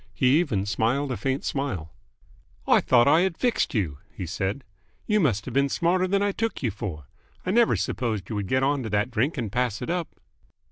He even smiled a faint smile. "I thought I had fixed you, he said. You must have been smarter than I took you for. I never supposed you would get on to that drink and pass it up."